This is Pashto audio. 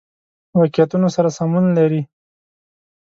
واقعیتونو سره سمون لري.